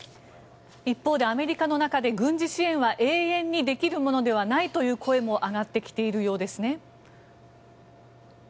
一方でアメリカの中で軍事支援は永遠にできるものではないという声も上がってきているようですね。